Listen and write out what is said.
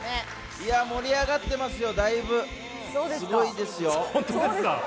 盛り上がっていますよ、だいぶすごいですよ。